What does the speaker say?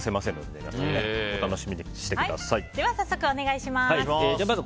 では早速、お願いします。